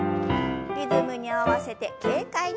リズムに合わせて軽快に。